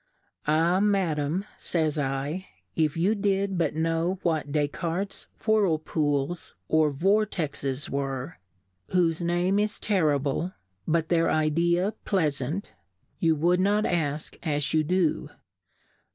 Ah, Madam, [ays /, if you did but know what Deflartes'^s Whir pools or Vortexes were, (whofe Name is terri ble, but their Idea pleafant ) you wou'd not asK as you do.